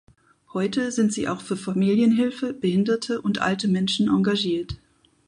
Heute sind sie auch für Familienhilfe, Behinderte und alte Menschen engagiert.